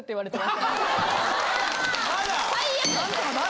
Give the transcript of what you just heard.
最悪。